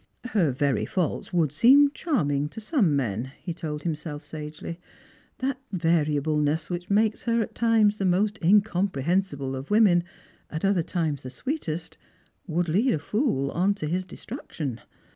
" Her very faults would seem charming to some men," he told himself sagely. " That variableness which makes her at times the most incomprehensible of women, at other times the sweetest, would lead a fool on to his destruction.